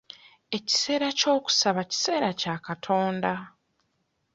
Ekiseera ky'okusaba kiseera kya Katonda.